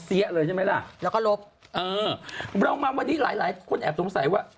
เออเรามาวันนี้หลายคนแอบสงสัยว่า